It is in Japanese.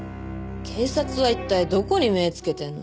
警察は一体どこに目つけてんの？